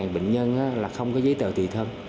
bảy trăm linh một nghìn bệnh nhân là không có giấy tờ tùy thân